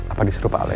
apa disuruh pak alex